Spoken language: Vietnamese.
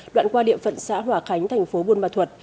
đoạn qua địa phận xã hòa khánh thành phố buôn ma thuật